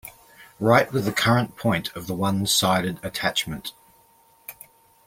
Right with the current point of the one-sided attachment.